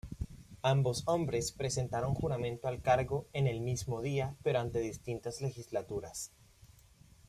Ambos hombres prestaron juramento al cargo en el mismo día pero ante distintas legislaturas.